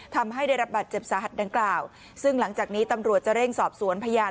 ทำให้ได้รับบาดเจ็บสาหัสดังกล่าวซึ่งหลังจากนี้ตำรวจจะเร่งสอบสวนพยาน